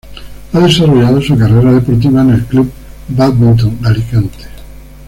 Ha desarrollado su carrera deportiva en el Club Bádminton Alicante.